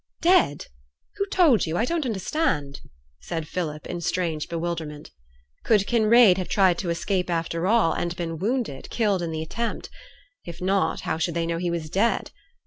'Dead! Who told you? I don't understand,' said Philip, in strange bewilderment. Could Kinraid have tried to escape after all, and been wounded, killed in the attempt? If not, how should they know he was dead?